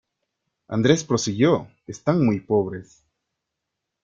Andrés prosiguió están muy pobres.